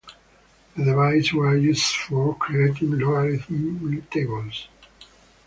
The devices were used for creating logarithmic tables.